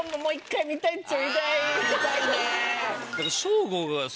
見たいね。